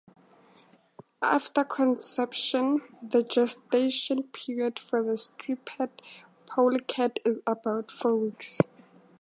After conception, the gestation period for a striped polecat is about four weeks.